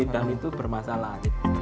dan itu bermasalah